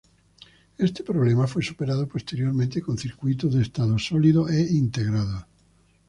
Este problema fue superado posteriormente con circuitos de estado sólido e integrados.